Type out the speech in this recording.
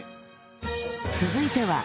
続いては